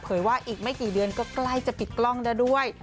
ว่าอีกไม่กี่เดือนก็ใกล้จะปิดกล้องแล้วด้วย